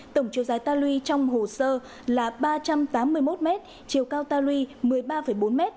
tổng chiều dài ta lui trong hồ sơ là ba trăm tám mươi một m chiều cao ta luy một mươi ba bốn m